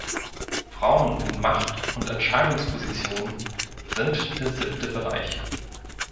Frauen in Macht- und Entscheidungspositionen sind der siebte Bereich.